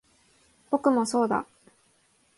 僕もそうだ